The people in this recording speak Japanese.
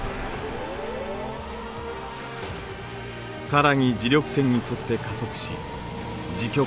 更に磁力線に沿って加速し磁極